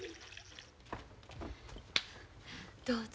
どうぞ。